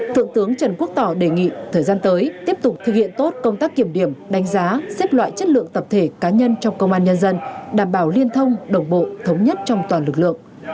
thượng tướng trần quốc tỏ đề nghị thời gian tới tiếp tục thực hiện tốt công tác kiểm điểm đánh giá xếp loại chất lượng tập thể cá nhân trong công an nhân dân đảm bảo liên thông đồng bộ thống nhất trong toàn lực lượng